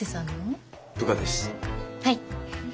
はい。